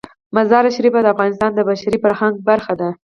مزارشریف د افغانستان د بشري فرهنګ برخه ده.